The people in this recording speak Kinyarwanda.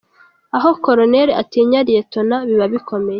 Aho Koloneri atinya liyetona biba bikomeye.